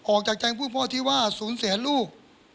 ออกจากใจผู้พ่อที่ว่าสูญเสียลูก